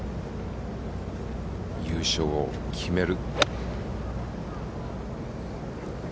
優勝を決める。